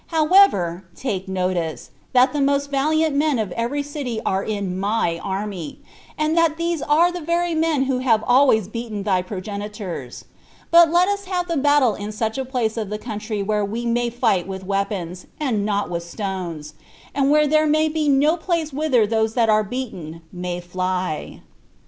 However, take notice, that the most valiant men of every city are in my army, and that these are the very men who have always beaten thy progenitors; but let us have the battle in such a place of the country where we may fight with weapons, and not with stones, and where there may be no place whither those that are beaten may fly."